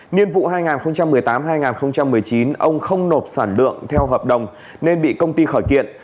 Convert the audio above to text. nhiên vụ hai nghìn một mươi tám hai nghìn một mươi chín ông không nộp sản lượng theo hợp đồng nên bị công ty khởi kiện